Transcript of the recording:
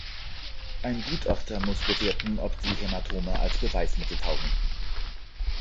Ein Gutachter muss bewerten, ob die Hämatome als Beweismittel taugen.